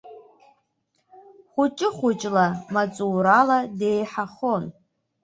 Хәыҷы-хәыҷла маҵурала деиҳахон.